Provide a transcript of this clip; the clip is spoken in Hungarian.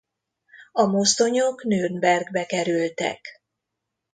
A mozdonyok Nürnbergbe kerültek.